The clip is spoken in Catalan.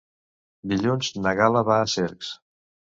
Dilluns na Gal·la va a Cercs.